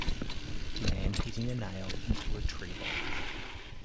Man hitting a nail into a tree log.